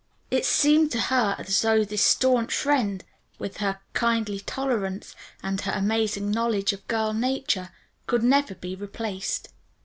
It seemed to her as though this staunch friend, with her kindly tolerance, and her amazing knowledge of girl nature, could never be replaced.